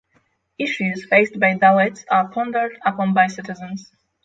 Issues faced by Dalits are pondered upon by citizens.